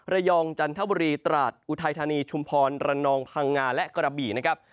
ระยองจันทบุรีตราสอุไทธานีชุมพรระนองพังงาและกระบินะครับ